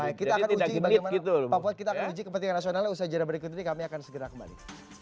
nah kita akan uji kepentingan nasionalnya usaha jalan berikutnya kami akan segera kembali